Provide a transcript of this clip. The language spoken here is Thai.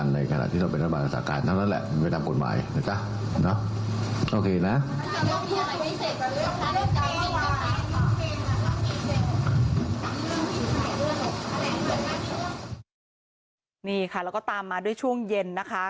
นี่ค่ะแล้วก็ตามมาด้วยช่วงเย็นนะคะ